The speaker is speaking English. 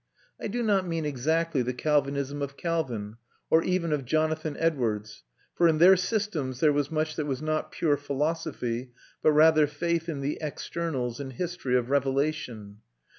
I do not mean exactly the Calvinism of Calvin, or even of Jonathan Edwards; for in their systems there was much that was not pure philosophy, but rather faith in the externals and history of revelation.